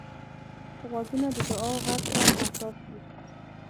غوږونه د دعا غږ ته حساس وي